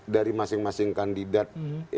dari masing masing kandidat ya kemudian ada yang ya